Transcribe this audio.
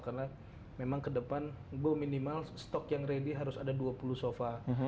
karena memang kedepan gua minimal stok yang ready harus ada dua puluh sofa